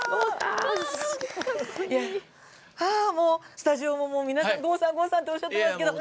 スタジオも、もう皆さん郷さん！っておっしゃってますけど。